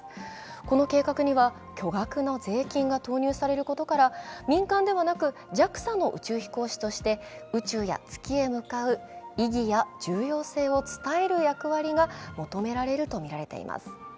この計画には巨額の税金が投入されることから民間ではなくＪＡＸＡの宇宙飛行士として宇宙や月へ向かう意義や重要性を伝える役割が求められるとみています。